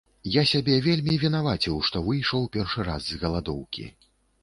Я сябе вельмі вінаваціў, што выйшаў першы раз з галадоўкі.